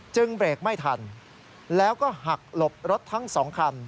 เบรกไม่ทันแล้วก็หักหลบรถทั้งสองคัน